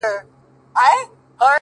په څو ځلي مي ستا د مخ غبار مات کړی دی-